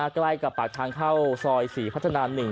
ใกล้กับปลาคทางเข้าซอยสีพัฒนาหนึ่ง